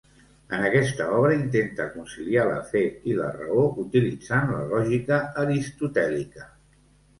En aquesta obra intenta conciliar la fe i la raó utilitzant la lògica aristotèlica.